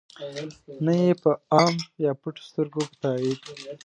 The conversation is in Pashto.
نه ېې په عام یا پټو سترګو په تایید.